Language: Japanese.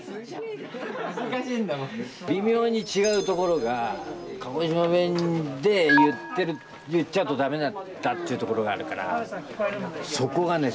微妙に違うところが鹿児島弁で言っちゃうと駄目だったっていうところがあるからそこがね